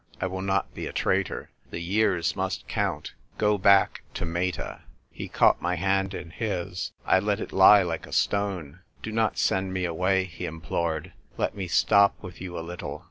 I will not be a traitor ; the years must count : go back to Meta !" He caught my hand in his. I let it lie like a stone. "Dj not send me away," he im plored. " Let me stop with you a little